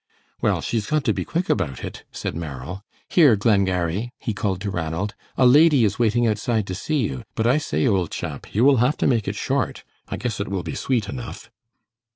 "Well, she's got to be quick about it," said Merrill. "Here, Glengarry," he called to Ranald, "a lady is waiting outside to see you, but I say, old chap, you will have to make it short, I guess it will be sweet enough."